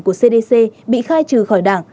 của cdc bị khai trừ khỏi đảng